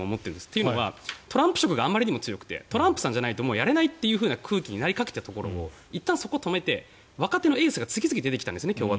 というのはトランプ色があまりにも強くてトランプさんじゃないともうやれないという空気になりかけていたところをいったん、そこを止めて流れを変えて次々に出てきたんですね。